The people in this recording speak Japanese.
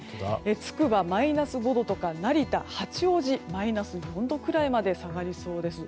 つくばマイナス５度とか成田、八王子マイナス４度くらいまで下がりそうです。